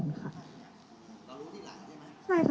รู้ที่หลังใช่ไหมครับ